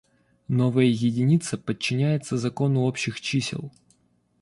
Новая единица подчиняется закону общих чисел.